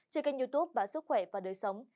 trên kênh youtube bản sức khỏe và đời sống